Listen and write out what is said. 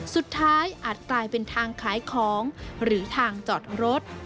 อาจกลายเป็นทางขายของหรือทางจอดรถ